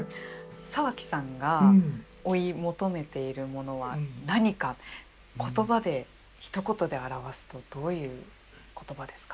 沢木さんが追い求めているものは何か言葉でひと言で表すとどういう言葉ですか？